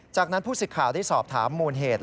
จากนั้นผู้สิทธิ์ข่าวได้สอบถามมูลเหตุ